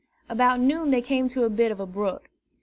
About noon they came to a bit of a brook.